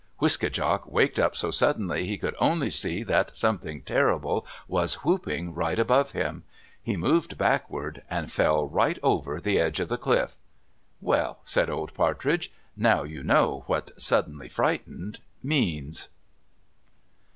Wiske djak waked up so suddenly he could only see that something terrible was whooping right above him. He moved backward and fell right over the edge of the cliff. "Well," said Old Partridge, "now you know what 'suddenly frightened' means."